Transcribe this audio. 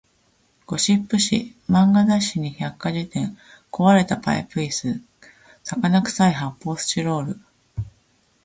ゴシップ誌、漫画雑誌に百科事典、壊れたパイプ椅子、魚臭い発砲スチロール